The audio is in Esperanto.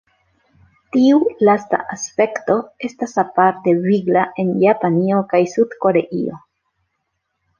Tiu lasta aspekto estas aparte vigla en Japanio kaj Sud-Koreio.